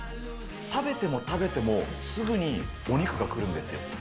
食べても食べてもすぐにお肉が来るんですよ。